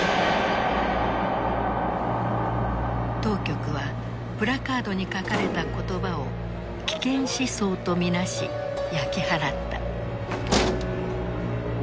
当局はプラカードに書かれた言葉を危険思想と見なし焼き払った。